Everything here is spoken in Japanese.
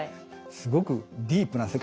すごくディープな世界。